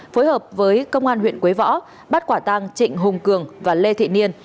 phối hợp với công an huyện quế võ bắt quả tang trịnh hùng cường và lê thị niên